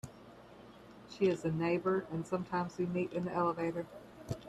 She is a neighbour, and sometimes we meet in the elevator.